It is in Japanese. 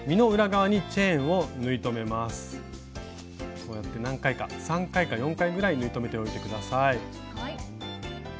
こうやって何回か３回か４回ぐらい縫い留めておいて下さい。